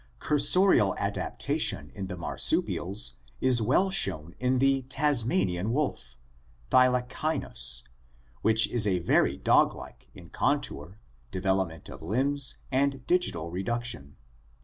Cursorial adaptation in the marsupials is well shown in the Tasmanian wotf, Thylacynus, which is very dog like in contour, development of limbs, and digital reduction.